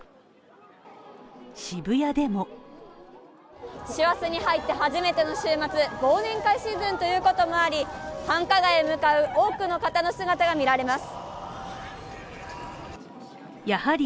渋谷でも師走に入って初めての週末忘年会シーズンということもあり、繁華街へ向かう多くの方の姿が見られます